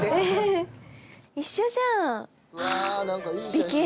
一緒じゃん。